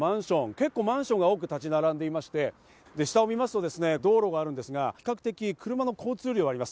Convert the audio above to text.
結構マンションが立ち並んでいまして、下を見ますと道路があるんですが、比較的車の交通量があります。